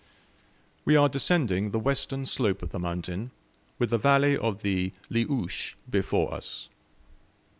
We are descending the western slope of the mountain, with the valley of the Liuche before us.